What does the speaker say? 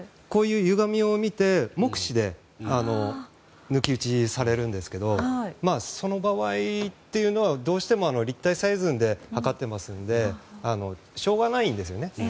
ゆがみを見て、目視で抜き打ちされるんですけどその場合は、どうしても立体採寸で測ってますのでしょうがないんですよね。